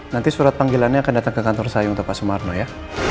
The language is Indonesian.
nanti surat panggilannya akan datang ke kantor saya untuk pak sumarno ya